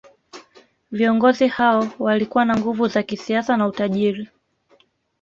Viongozi hao walikuwa na nguvu za kisiasa na utajiri